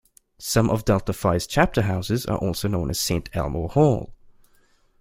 Some of Delta Phi's chapter houses are also known as "Saint Elmo Hall".